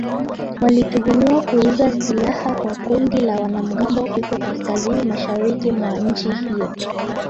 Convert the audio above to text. Walituhumiwa kuuza silaha kwa kundi la wanamgambo huko kaskazini-mashariki mwa nchi hiyo.